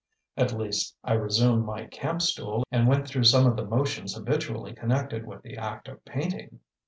At least, I resumed my camp stool and went through some of the motions habitually connected with the act of painting.